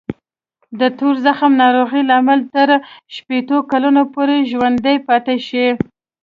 د تور زخم ناروغۍ لامل تر شپېتو کلونو پورې ژوندی پاتې شي.